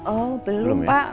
oh belum pak